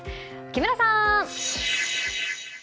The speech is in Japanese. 木村さん！